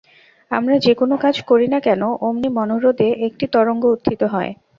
আমরা যে-কোন কাজ করি না কেন, অমনি মনোহ্রদে একটি তরঙ্গ উত্থিত হয়।